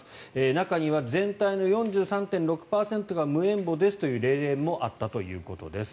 中には全体の４３．６％が無縁墓ですという霊園もあったということです。